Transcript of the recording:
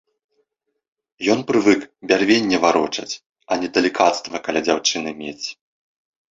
Ён прывык бярвенне варочаць, а не далікацтва каля дзяўчыны мець.